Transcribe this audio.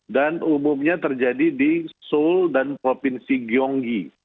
dan umumnya terjadi di seoul dan provinsi gyeonggi